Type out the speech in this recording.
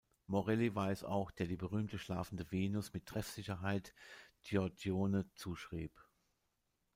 Morelli war es auch, der die berühmte "Schlafende Venus" mit Treffsicherheit Giorgione zuschrieb.